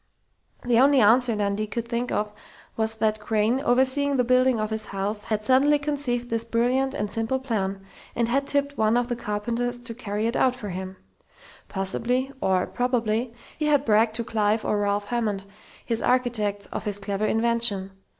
The only answer Dundee could think of was that Crain, overseeing the building of his house, had suddenly conceived this brilliant and simple plan, and had tipped one of the carpenters to carry it out for him. Possibly, or probably, he had bragged to Clive or Ralph Hammond, his architects, of his clever invention.